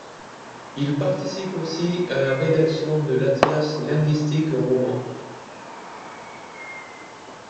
Il participe aussi à la rédaction de l'Atlas linguistique roman.